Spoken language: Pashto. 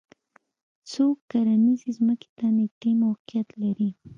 څوک کرنیزې ځمکې ته نږدې موقعیت لري